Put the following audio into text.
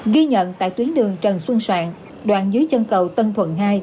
ghi nhận tại tuyến đường trần xuân soạn đoàn dưới chân cầu tân thuận hai